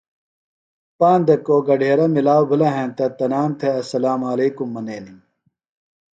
پاندہ کو گڈھیرہ ملاؤ بِھلہ ہینتہ تنام تھےۡ اسلام علیکُم منینِم۔